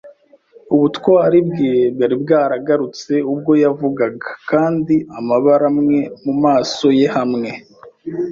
Ubutwari bwe bwari bwaragarutse ubwo yavugaga, kandi amabara amwe mumaso ye hamwe